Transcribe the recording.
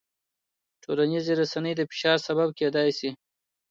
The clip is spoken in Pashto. ټولنیزې رسنۍ د فشار سبب کېدای شي.